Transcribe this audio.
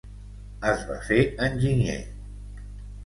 Es va fer enginyer.